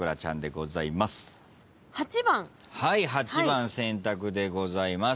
８番選択でございます。